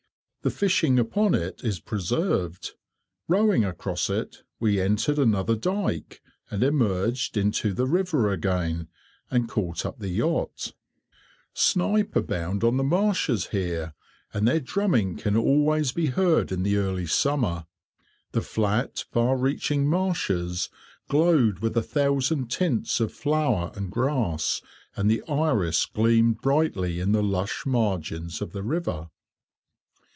The fishing upon it is preserved. Rowing across it, we entered another dyke, and emerged into the river again, and caught up the yacht. [Picture: On Rockland Broad] Snipe abound on the marshes here, and their drumming can always be heard in the early summer. The flat, far reaching marshes glowed with a thousand tints of flower and grass, and the iris gleamed brightly in the lush margins of the river.